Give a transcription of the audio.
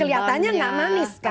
keliatannya nggak manis kan